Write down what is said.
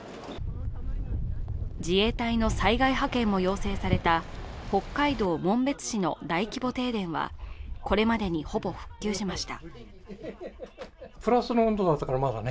自衛隊の災害派遣も要請された北海道紋別市の大規模停電はこれまでに、ほぼ復旧しました。